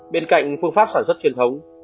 bên cạnh phương pháp sản xuất truyền thống